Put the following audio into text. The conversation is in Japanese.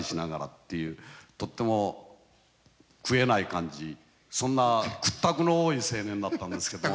食えない感じそんな屈託の多い青年だったんですけども。